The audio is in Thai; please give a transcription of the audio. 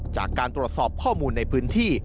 จากการตรวจสอบข้อมูลในพื้นที่